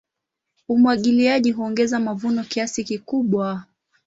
Umwagiliaji huongeza mavuno kiasi kikubwa.